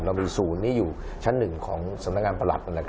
เรามีศูนย์นี้อยู่ชั้น๑ของสำนักงานประหลัด